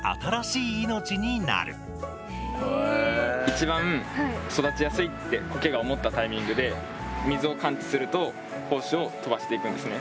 いちばん育ちやすいってコケが思ったタイミングで水を感知すると胞子を飛ばしていくんですね。